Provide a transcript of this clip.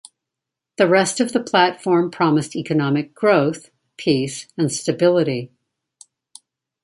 The rest of the platform promised economic growth, peace and stability.